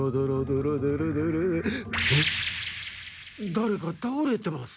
だれかたおれてます。